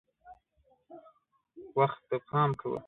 وخت ته پام کوه .